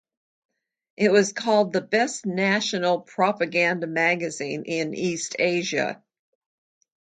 It was called "the best national propaganda magazine in East Asia".